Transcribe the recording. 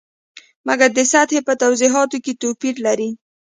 مګر د سطحې په توضیحاتو کې توپیر لري.